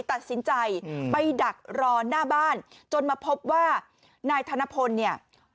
ตัดสินใจไปดักรอหน้าบ้านจนมาพบว่านายธนพลเนี่ย